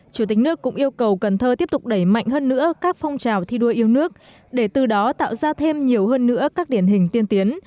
chủ tịch nước cũng yêu cầu cần thơ tiếp tục đẩy mạnh hơn nữa các phong trào thi đua yêu nước để từ đó tạo ra thêm nhiều hơn nữa các điển hình tiên tiến